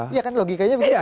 iya kan logikanya begitu